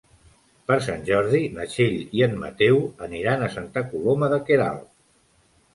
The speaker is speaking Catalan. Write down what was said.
Per Sant Jordi na Txell i en Mateu aniran a Santa Coloma de Queralt.